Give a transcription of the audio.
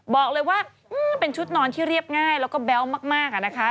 บอกเลยว่าเป็นชุดนอนที่เรียบง่ายแล้วก็แบ๊วมากอะนะคะ